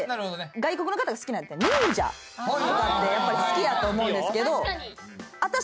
外国の方が好きなんって。とかってやっぱり好きやと思うんですけど。